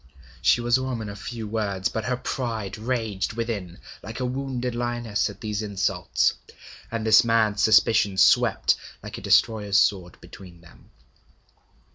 She was a woman of few words; but her pride raged within like a wounded lioness at these insults, and this mad suspicion swept like a destroyer's sword between them.